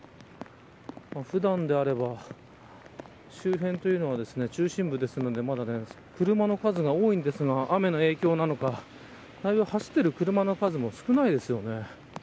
普段であれば周辺というのは、中心部ですのでまだ車の数が多いんですが雨の影響なのか走っている車の数も少ないですよね。